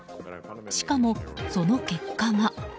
しかも、その結果が。